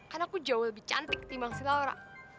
kan aku jauh lebih cantik dibanding si laura